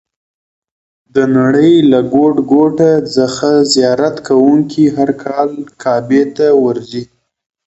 د نړۍ له ګوټ ګوټ څخه زیارت کوونکي هر کال کعبې ته ورځي.